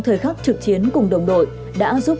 thời khắc trực chiến cùng đồng đội đã giúp